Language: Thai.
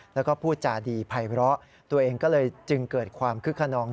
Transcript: แล้วก็พูดจาดีภัยเพราะตัวเองก็เลยจึงเกิดความคึกขนอง